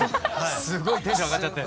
すごいテンション上がっちゃって。